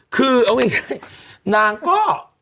คือเอาอีกนางก็